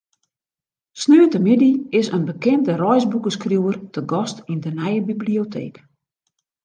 Sneontemiddei is in bekende reisboekeskriuwer te gast yn de nije biblioteek.